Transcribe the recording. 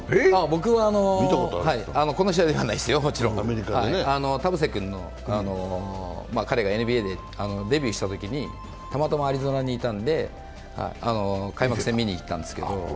僕、この試合ですね、田臥君、彼がＮＢＡにデビューしたときにたまたまアリゾナにいたので開幕戦、見に行ったんですけど。